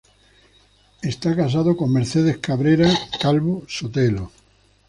Está casado con Mercedes Cabrera Calvo Sotelo.